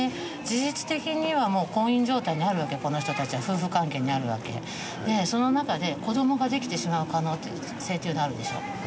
事実的にはもう婚姻状態にあるわけこの人たちは夫婦関係にあるわけその中で子どもができてしまう可能性というのはあるでしょ